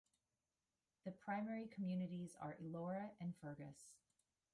The primary communities are Elora and Fergus.